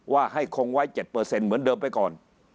ว่าให้คงไว้๗เหมือนเดิมไปก่อน